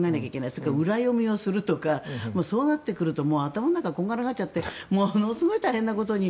それから裏読みをするとかそうなってくるともう頭の中こんがらがっちゃってものすごい大変なことに。